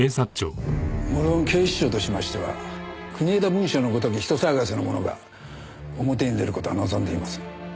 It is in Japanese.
無論警視庁としましては国枝文書のごとき人騒がせなものが表に出る事は望んでいません。